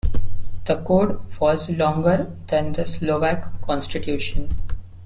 The Code was longer than the Slovak Constitution.